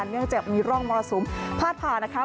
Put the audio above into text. เนื่องจากมีร่องมรสุมพาดผ่านนะคะ